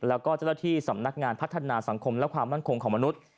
แล้วก็เจ้าหน้าที่สำนักงานพัฒนาสังคมและความมั่นคงของมนุษย์